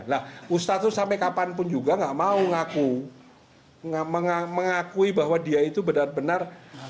nah ustadz itu sampai kapanpun juga nggak mau mengakui bahwa dia itu benar benar